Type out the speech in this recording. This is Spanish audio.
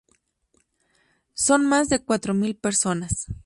Son más de cuatro mil personas.